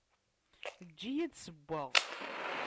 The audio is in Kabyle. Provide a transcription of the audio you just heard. Eǧǧ-iyi ad d-ssewweɣ.